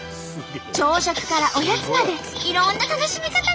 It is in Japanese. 朝食からおやつまでいろんな楽しみ方があるんだって。